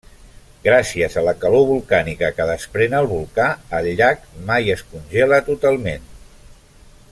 Gràcies a la calor volcànica que desprèn el volcà, el llac mai es congela totalment.